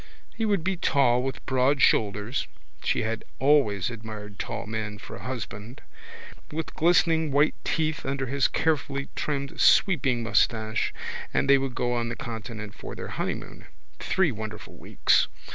He would be tall with broad shoulders (she had always admired tall men for a husband) with glistening white teeth under his carefully trimmed sweeping moustache and they would go on the continent for their honeymoon (three wonderful weeks!)